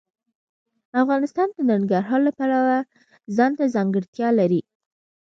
افغانستان د ننګرهار د پلوه ځانته ځانګړتیا لري.